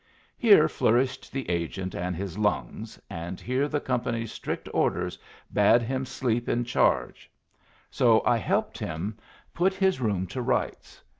Here flourished the agent and his lungs, and here the company's strict orders bade him sleep in charge; so I helped him put his room to rights.